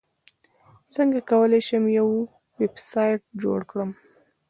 څنګه کولی شم یو ویبسایټ جوړ کړم